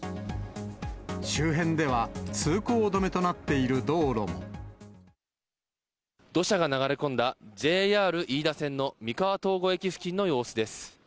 周辺では、通行止めとなって土砂が流れ込んだ、ＪＲ飯田線の三河東郷駅付近の様子です。